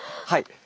はい。